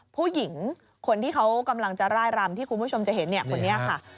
ผู้หญิงคนที่เขากำลังจะร่ายรำที่คุณผู้ชมจะเห็นเนี่ยคนนี้ค่ะ